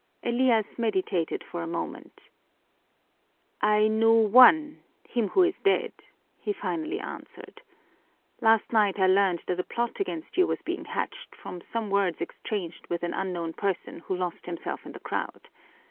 Elias meditated for a moment. "I knew one him who is dead," he finally answered. "Last night I learned that a plot against you was being hatched, from some words exchanged with an unknown person who lost himself in the crowd.